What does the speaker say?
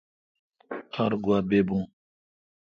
ار گوا بیبو۔